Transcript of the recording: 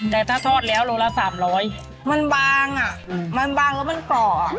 แต่ถ้าทอดแล้วโลละ๓๐๐มันบางอ่ะมันบางแล้วมันกรอบอ่ะ